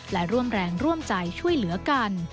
และร่วมแรงร่วมใจช่วยเหลือกัน